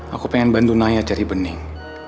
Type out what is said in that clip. aku pengen bantu naya cari bening